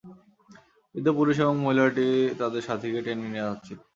বৃদ্ধ পুরুষ এবং মহিলাটি তাদের সাথিকে টেনে নিয়ে যাচ্ছিল।